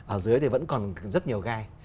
ở dưới thì vẫn còn rất nhiều gai